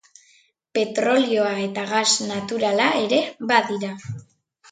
Petrolioa eta gas naturala ere badira.